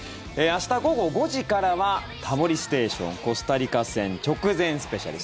明日午後５時からは「タモリステーション」コスタリカ戦直前スペシャル。